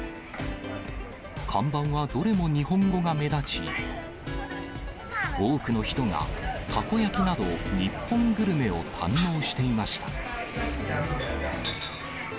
看板はどれも日本語が目立ち、多くの人がたこ焼きなど日本グルメを堪能していました。